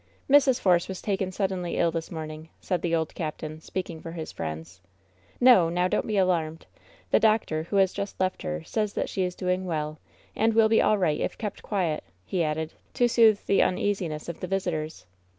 "Mrs. Force was taken suddenly ill this morning,'^ said the old captain, speaking for his friends. "No! now don't be alarmed I The doctor, who has just left her, says that she is doing well, and will be all right if kept quiet !" he added, to soothe the imeasiness of the visitors.